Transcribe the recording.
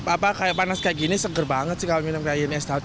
apa kayak panas kayak gini seger banget sih kalau minum kayak gini es daun